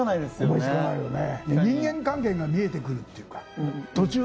思いつかないよね